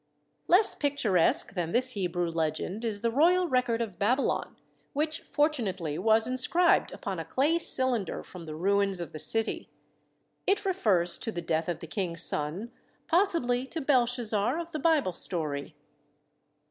Less picturesque than this Hebrew legend is the royal record of Babylon, which fortunately was inscribed upon a clay cylinder from the ruins of 54 THE SEVEN WONDERS the city. It refers to the death of the King's son, possibly to Belshazzar of the Bible story.